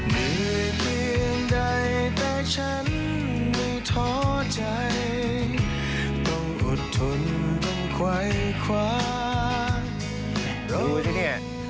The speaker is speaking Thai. มีเพียงใดแต่ฉันไม่ท้อใจต้องอดทนต้องไขว้คว้ารู้แน่